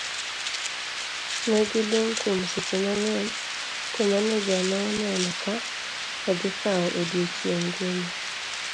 Ne giling' kuom seche mangeny, to maneja no neno ka odhi kawo odiochieng' ngima.